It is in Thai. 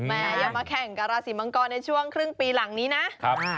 แม้อยากมาแข่งกับราศรีมังกรในช่วงครึ่งปีหลังนี้นะ